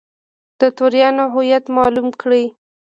د توریانو هویت معلوم کړي.